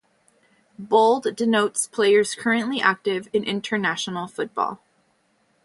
Bold denotes players currently active in international football.